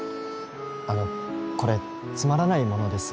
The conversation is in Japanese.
あのこれつまらないものですが。